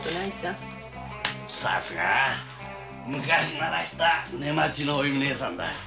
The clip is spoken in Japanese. さすが昔鳴らした「寝待ち」のお弓ねえさんだ。